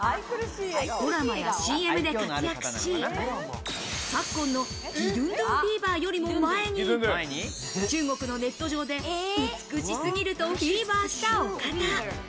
ドラマやＣＭで活躍し、昨今のギドゥンドゥンフィーバーよりも前に中国のネット上で、美しすぎるとフィーバーしたお方。